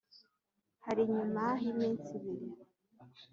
Hari nyuma y’iminsi ibiri